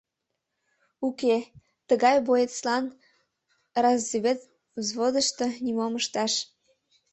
Уке, тыгай боецлан разведвзводышто нимом ышташ!..